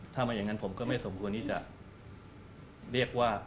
ถ้าไม่อย่างนั้นผมก็ไม่สมควรที่จะเรียกว่า